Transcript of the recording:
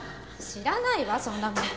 知らないわそんなもの。